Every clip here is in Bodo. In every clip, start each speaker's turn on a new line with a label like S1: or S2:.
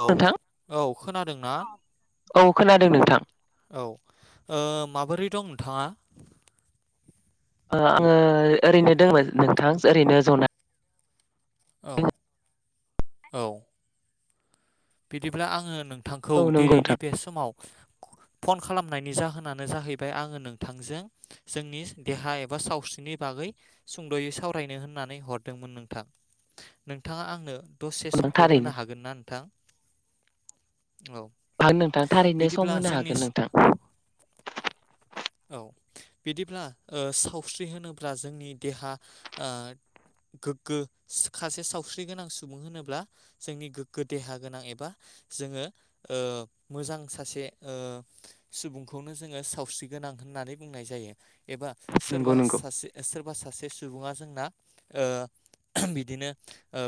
S1: हेलौ
S2: नोंथां
S1: औ खोनादों ना?
S2: औ खोनादों नोंथां
S1: औ माबोरै दं नोंथाङा?
S2: आङो ओरैनो दङमोन नोंथां ओरैनो जनाय
S1: औ औ बिदिब्ला आङो नोंथांखौ
S2: औ नंगौ
S1: दिनैनि
S2: नोंथां
S1: बे समाव फन खालामनायनि जाहोनानो जाहैबाय आङो नोंथांजों जोंनि देहा एबा सावस्रिनि बागै सुंद'यै सावरायनो होननानै हरदोंमोन नोंथां नोंथाङा आंनो दसे
S2: नों
S1: समखौ
S2: थारैनो
S1: होनो हागोन ना नोंथां? औ
S2: आां नोंथां थारैनो सम
S1: बिदिब्ला
S2: होनो
S1: जोंनि
S2: हागोन नोंथां।
S1: औ बिदिब्ला सावस्रि होनोब्ला जोंनि देहा गोग्गो सासे सावस्रि गोनां सुबुं होनोब्ला जोंनि गोग्गो देहा गोनां एबा जोङो मोजां सासे सुबुंखौनो जोङो सावस्रि गोनां होननानै बुंनाय जायो एबा
S2: नंगौ
S1: सोरबा
S2: नंगौ
S1: सासे बा सासे सुबुङा जोंना बिदिनो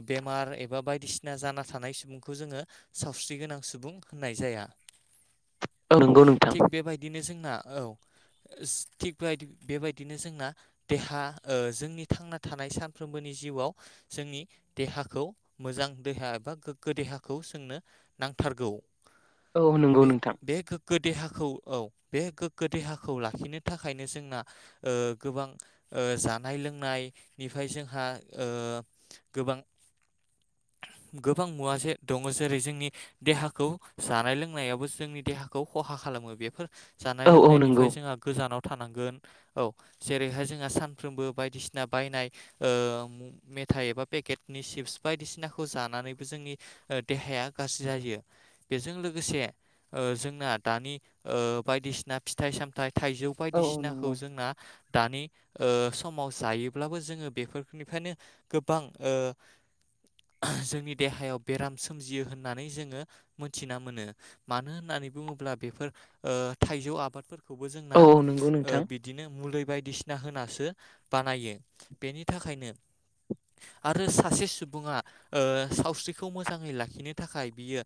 S1: बेमार एबा बायदिसिना जाना थानाय सुबुंखौ जोङो सावस्रि गोनां सुबुं होननाय जाया।
S2: औ नंगौ नोंथां
S1: थिग बेबायदिनो जोंना औ थिग बेबायदिनो जोंना देहा जोंनि थांना थानाय सानफ्रोमबोनि जिउ जोंनि देहाखौ मोजां देहा एबा गोग्गो देहाखौ जोंनो नांथारगौ
S2: औ नंगौ नोंथां
S1: बे गोग्गो देहाखौ औ बे गो देहाखौ लाखिनो थाखायनो जोंना गोबां जानाय लोंनायनिफ्राय बे जोंहा गोबां गोबां मुवा जे दङ जेरै जोंनि देहाखौ जानाय लोंनायावबो जोंनि देहाखौ खहा खालामो बेफोर जानाय
S2: औ औ नंगौ
S1: लोंनायनिफ्राय जोंहा गोजानाव जेरै जोंहा सानफ्रोसबो बायदिसिना बायनाय मेथाइ एबा पेकेटनि सिपस बायदिसिनाखौ जानानैबो जोंनि देहाया गाज्रि जायो। बेजों लोगोसे जोंना दानि बायदिसिना फिथाइ सामथाइ थाइजौ
S2: औ औ नंगौ
S1: बायदिसिनाखौ जोंना दानि समाव जायोब्लाबो जोङो बेफोरनिफ्रायनो गोबां जोंनि देहायाव बेराम सोमजियो होननानै जोङो मोनथिना मोनो मानो होननानै होननानै बुङोब्ला बेफोर थाइजौ आप आबादफोरखौबो
S2: औ
S1: जोंना
S2: औ नंगौ नोंथां
S1: बिदिनो मुलि बायदिसिना होनासो बानायो बेनि थाखायनो आरो सासे सुबुङा सावस्रिखौ मोजाङै लाखिनो थाखाय बियो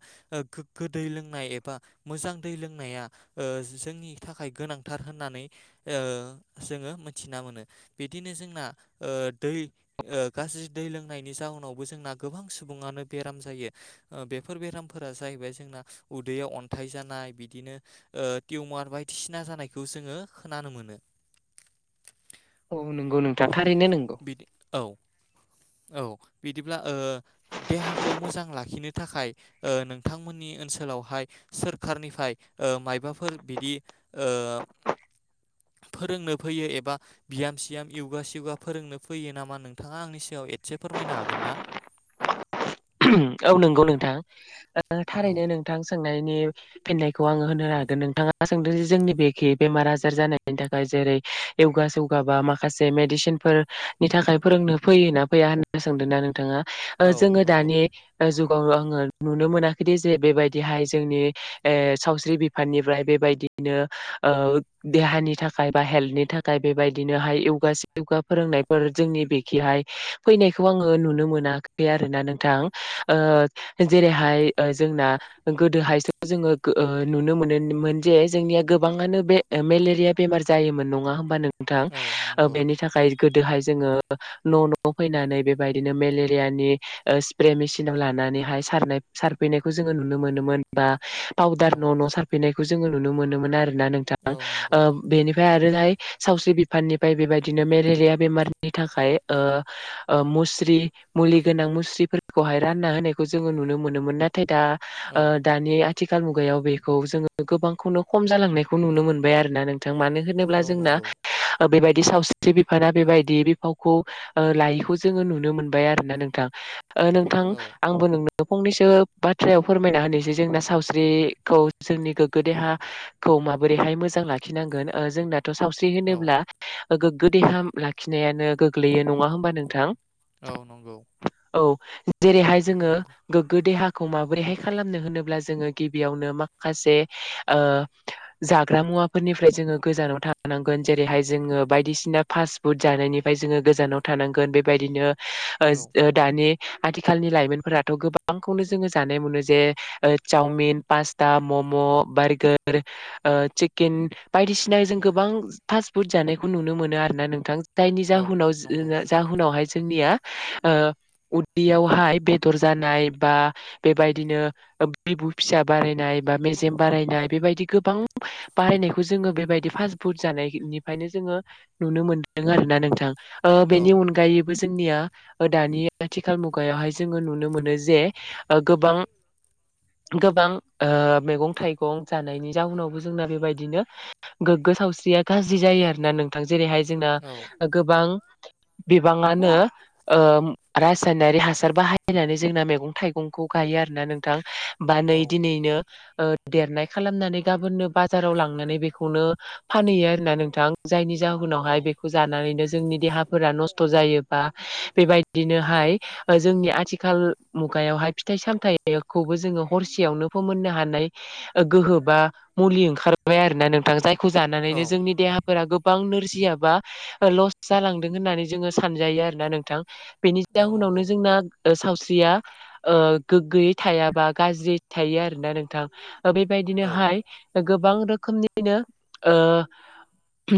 S1: गोग्गो दै लोंनाय एबा मोजां दै लोंनाया जोंनि थाखाय गोनांथार होननानै जोङो मोनथिना मोनो बिदिनो जोंना दै गाज्रि दै लोंनायनि जाहोनावबो जोंना गोबां सुबुङानो बेराम जायो। बेफोर बेरामफोरा जाहैबाय जोंना उदैयाव अन्थाइ जानाय बिदिनो टिउमार बायदि बायदिसिना जानायखौ जोङो खोनानो मोनो।
S2: औ नंगौ नोंथां थारैनो नंगौ।
S1: बिदि औ औ बिदिब्ला देहाखौ मोजां लाखिनो थाखाय नोंथांमोननि ओनसोलावहाय सोरखारनिफ्राय मायबाफोर बिदि फोरोंनो फैयो एबा बियाम सियाम युगा सियुगा फोरोंनो फैयो नामा नोंथाङा आंनि सायाव एदसे फोरमायनो हागोन ना? अ [inaudible]
S2: औ नंगौ नोंथां थारैनो
S1: औ
S2: नोंथां सोंनाय फिनायखौ आङो होनो हागोन नोंथाङा सोंदों जे जोंनि बेखे बेमार आजार जानायनि थाखाय जेरै युगा सिउगा बा माखासे मेडिसिन फोरनि थाखाय फोरोंनो फैयोना फैया होनना सोंदों ना नोंथाङा
S1: औ
S2: जोङो
S1: नंगौ
S2: दानि जुगाव आङो नुनो मोनाखैदि जे बेबायदिहाय जोंनि सावस्रि बिफाननिफ्राय बेबायदि देहानि थाखाय बा हेल थाखाय बेबायदिनोहाय फोरोंनायफोर जोंनि बेखिहाय फैनायखौ आङो नुनो मोनाखै आरोना नोंथां जेरैहाय जोंना गोदोहायसो जोङो नुनो मोनोमोन। जे जोंनिया गोबाङानो बे मेलेरिया बेमार जायोमोन नङा होमबा नों
S1: औ
S2: नोंथां
S1: नंगौ
S2: बेनि थाखाय गोदोहाय जोङो न' न'आव फैनानै बेबायदिनो मेलेरियानि स्प्रे मेसिन लानानैहाय हाबफैनायखौ नोनो मोनोमोन बा फाउदार
S1: औ
S2: न न सारफैनायखौ जोङो नुनो मोनोन आरोना नोंथां
S1: औ नंगौ
S2: बेनि आरो ओरैहाय सावस्रि बिफाननिफ्राय बेबायदिनो मेलेरिया बेमारनि थाखाय मुस्रि मुस्रि मुलि गोनां मुस्रिफोरखौ हाय रानना होनायखौ जोङो नुनो मोनोमोन। नाथाय दा
S1: औ
S2: दानि आथिखाल मुगायाव बेखौ जोङो गोबांखौनो खम जालांनायखौ नुनो मोनबाय आरोना नोंथां मानो होनोब्ला
S1: औ
S2: जोंना
S1: नंगौ
S2: बेबायदि बिदि सावस्रि बिफाना बेबायदि बिफावखौ लायैखौ जोङो नुनो मोनबाय आरो ना नोंथां नोंथां
S1: औ
S2: आंबो नों फंनैसो बाथ्रायाव फोरमायना होनोसै जोंना सावस्रिखौ जोंनि गोग्गो देहाखौ माबोरैहाय मोजां लाखिनांगोन जोंना थ' सावस्रि
S1: औ
S2: होनोब्ला गोगो देहा लाखिनायानो गोग्लैयो नङा होमबा नोंथां?
S1: औ नंगौ
S2: औ जेरैहाय जोङो
S1: नंगौ
S2: गोग्गो देहा माबोरैहाय खालामनो होनोब्ला जोङो गिबियावनो माखासे जाग्रा मुवा मुवाफोरनिफ्राय जोङो गोजानाव थानांगोन जेरैहाय जोङो बायदिसिना फास्ट फुड जानायनिफ्राय जोङो गोजानाव थानांगौन बेबायदिनो औ आथिखालनि लाइमोनथ' गोबांनो जों जानाय मोनो जे साउमिन पासता मम' बारगार चिकेन बायदिसिना जों गोबां फास फुड जानायखौ खौ नुनो मोनो आरोना नोंथां जायनि
S1: औ नंगौ
S2: जाहाव जाहोनावहाय जोंनिया उदैयावहाय बेदर जानाय बा बेबायदिनो बिबु फिसा बानायनाय मेजेम बारायनाय बेबायदि गोबां बारायनायखौ जों बेबायदि फास फुत जानायनिफ्राय जोङो नुनो मोनदों आरोना नोंथां
S1: औ
S2: बेनि अनगायैबो जोंनिया दानि आथिखाल मुगायावहाय जोङो नुनो मोनो जे गोबां गोबां मैगं थाइगं जानायनि जाउनावबो जोंना बेबायदिनो गोगो सावस्रिया गाज्रि जायो आरो ना नोंथां जेरैहाय जोंना
S1: औ
S2: गोबां बिबाङानो रासायनारि हासार बाहायनानै जोंना मैगं थाइगंखौ गायो आरो ना नोंथां। बा नै
S1: औ
S2: दिनैनो देरनाय खालामनानै गाबोननो बाजाराव लांनानै बेखौनो फानहैयो आरो ना नोंथां जायनि
S1: औ
S2: जाहोनावहाय बेखौ जानानैनो जोंनि देहाफोरा नस्थ' जायोबा बेबाय बिदिनोहाय जोंनि आथिखाल मुगायावहाय फिथाइ सामथायाइखौबो जोङो हरसेयावनो फोमोननो हानाय गोहो बा मुलि ओंखारबाय आरोना नोंथ जाय खौ
S1: औ
S2: जानानैनो जोंनि देहा फोरा गोबां नोरजियाबा लस जालांदों होननानै जोङो सानजायो आरोना नोंथां बेनि जा
S1: औ
S2: उनावनो
S1: नंगौ
S2: जोंना सावस्रिया गोग्गोयै थायाबा गाज्रि थायो आरोना नोंथां
S1: औ
S2: बेबायदिनोहाय गोबां रोखोमनिनो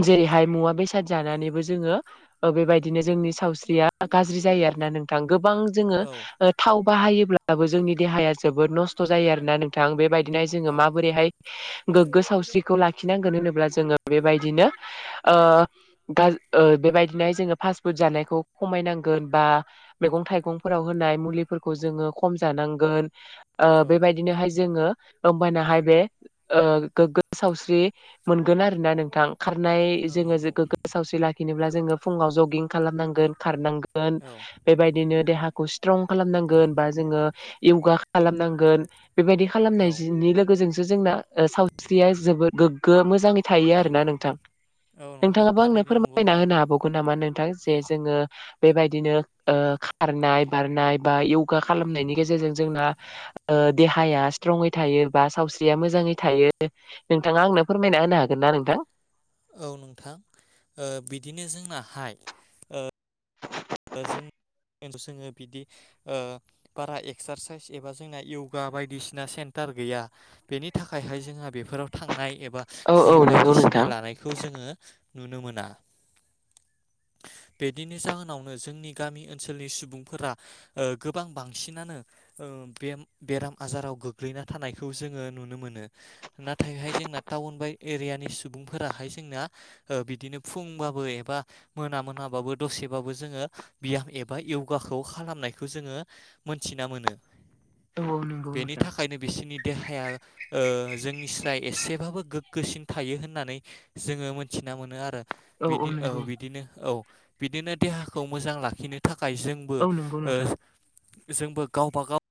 S2: जेरैहाय मुवा बेसाद जानानैबो जोङो बेबायदिनो जोंनि सावस्रिया गा ज्रि जायो नोंथां गोबां जोङो
S1: औ
S2: थाव बाहायोब्लाबो जोंनि देहाया जोबोद नस्थ जायो आरोना नोंथां बेबायदिनोाय
S1: औ
S2: जोङो माबोरैहाय गोग्गो सावस्रिखौ लाखिनांगोन होनोब्ला जोङो बेबायदिनो गा बेबायदिनो जोङो फास्टफुड जानायखौ खमायनांगौ बा मैगं थाइगं फोराव होनाय मुलिफोरखौ जोङो खम जानांगोन।
S1: औ
S2: बेबायदिनोहाय जोङो होमबानाहाय बे गोग्गो सावस्रि मोनगोन आरोना नोंथां खारनाय
S1: औ
S2: जोङो
S1: नंगौ
S2: गोग्ग सावस्रि लाखिनोब्ला जोङो फुङाव जगिं खालामनांगोन खारनांगोन।
S1: औ
S2: बेबायदिनो देहाखौ स्ट्रं खालामनांगोन बा जोङो यगा खालामनांगोन बेबायदि
S1: औ
S2: खालामनायनि लोगोजों जोंना सावस्रिया जोबबोर गोग्गो मोजाङै थायो आरो ना नोंथां
S1: औ नंगौ
S2: नोंथाङाबो आंनो
S1: थारैनो नंगौ
S2: फोरमायना
S1: नोंथां
S2: होनो हाबावगोन नामा नों थां जे जोङो बेबायदिनो खारनाय बारनाय बा यगा खालामनायनि गेजेरजों जोंना देहाया स्ट्रङै थायो बा सावस्रिया मोजाङै थायो नोंथाङा आंनो फोरमायना होनो हागोन ना नों थां
S1: औ नोंथां बिदिनो जोंनाहाय जों जोङो जोङो बिदि बारा एक्सारसाइस एबा जोंना यगा बायदिसिना सेन्टार गैया बेनि थाखायहाय जोंहा बेफोराव थांनाय एबा बा
S2: औ औ
S1: जिम
S2: नंगौ
S1: बायदिसिना
S2: नोंथां।
S1: लानायखौ जोङो नुनो मोना। बिदिनो जाहोनाव जोंनि गामि ओनसोलनि सुबुंफोरा गोबां बांसिनानो बेराम आजाराव गोग्लैना थानायखौ जोङो नुनो मोनो नाथायहाय जोंना टाउन बाय एरियानि सुबुंफोराहाय जोंना बिदिनो फुंबाबो एबा मोना मोनाब दसेबो जोङो ब्याम एबा योगाखौ खालामनायखौ जोङो मोनथिना मोनो।
S2: औ औ नंगौ
S1: बेनि
S2: नोंथां
S1: थाखायनो बिसिनि देहाया जोंनि स्राय एसेबाबो गोग्गोसिन थायो होननानै जोङो मोनथि मोन आरो बि औ बिदिनो औ बिदिनो देहाखौ मोजां लाखिनो थाखायनो थाखाय जोंबो
S2: औ नंगौ नोंथां
S1: जोंबो गावबा गाव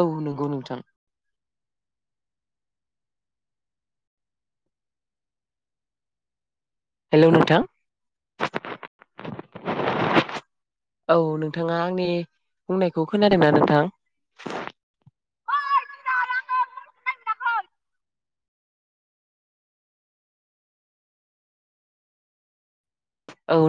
S2: औ नंगौ नोंथां हेलौ नोंथां औ नोंथाङा आंनि बुंनायखौ खोनादों ना नोंथां
S1: [inaudible]
S2: औ